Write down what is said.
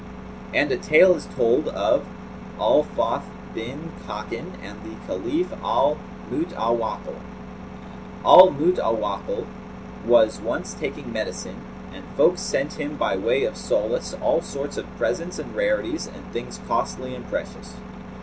And a tale is told of AL FATH BIN KHAKAN AND THE CALIPH AL MUTAWAKKIL. Al Mutawakkil[FN#225] was once taking medicine, and folk sent him by way of solace all sorts of presents and rarities and things costly and precious.